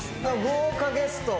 豪華ゲスト